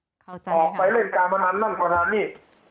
ออกไปเล่นการพนันนั่นพนันนี่